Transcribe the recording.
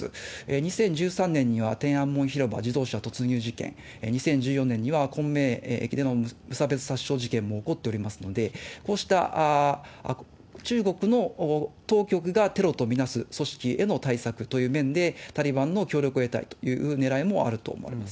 ２０１３年には天安門広場自動車突入事件、２０１４年にはコンメイ駅での無差別殺傷事件も起こっておりますので、こうした中国の当局がテロと見なす組織への対策という面で、タリバンの協力を得たいというねらいもあると思われます。